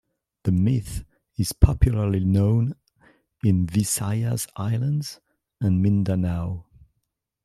The myth is popularly known in Visayas Islands and Mindanao.